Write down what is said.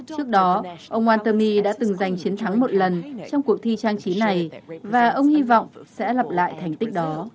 trước đó ông waltermi đã từng giành chiến thắng một lần trong cuộc thi trang trí này và ông hy vọng sẽ lập lại thành tích đó